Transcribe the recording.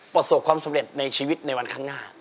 ประสบความสำเร็จในชีวิตในวันข้างหน้า